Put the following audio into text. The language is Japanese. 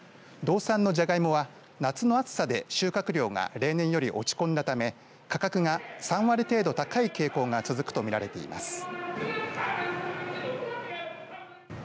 道産のジャガイモは夏の暑さで収穫量が例年より落ち込んだため価格は３割程度高い傾向が続くと見られています。